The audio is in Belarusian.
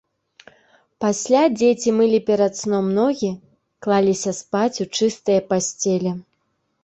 Пасля дзеці мылі перад сном ногі, клаліся спаць у чыстыя пасцелі.